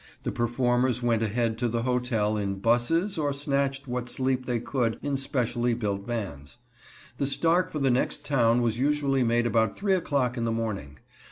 The performers went ahead to the hotel in 'buses or snatched what sleep they could in specially built vans. The start for the next town was usually made about three o'clock in the morning.